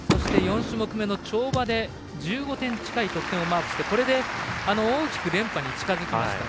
４種目めの跳馬で１５点近い得点をマークしてこれで大きく連覇に近づきました。